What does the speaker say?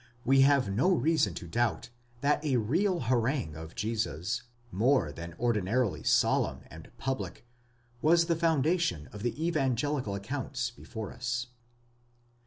We have no reason to doubt that a real harangue of Jesus, more than ordinarily solemn and public, was the foundation of the evangelical accounts before us.